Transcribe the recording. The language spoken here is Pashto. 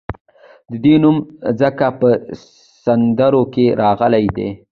د ده نوم ځکه په سندرو کې راغلی دی.